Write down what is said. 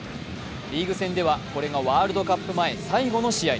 リーグ戦ではこれがワールドカップ前最後の試合。